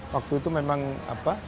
waktu itu memang apa